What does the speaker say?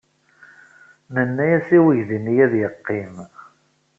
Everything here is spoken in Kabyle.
Nenna-as i weydi-nni ad yeqqim.